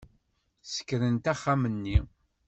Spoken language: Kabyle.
Ssekrant axxam-nni.